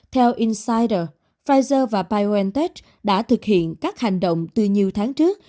theo insider pfizer và biontech đã thực hiện các hành động từ nhiều tháng trước